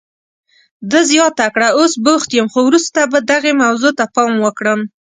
ده زیاته کړه، اوس بوخت یم، خو وروسته به دغې موضوع ته پام وکړم.